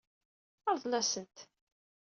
Ṛḍel-asen-t.